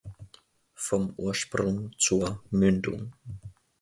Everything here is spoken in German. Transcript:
Vom Ursprung zur Mündung.